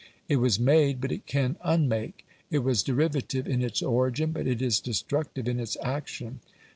It was made, but it can unmake; it was derivative in its origin, but it is destructive in its action.